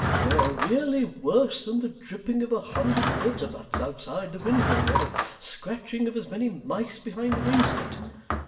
You're really worse than the dripping of a hundred water butts outside the window, or the scratching of as many mice behind the wainscot.